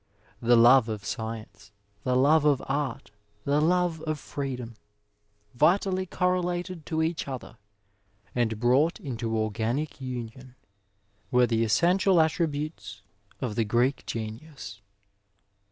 '* The love of soienoe, the love of art, the love of freedom — ^vitally correlated to each other, and brought into organic union," were the essen tial attributes of the Greek genius (Butcher).